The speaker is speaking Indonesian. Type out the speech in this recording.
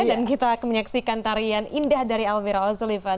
dan kita menyaksikan tarian indah dari alfira o'sullivan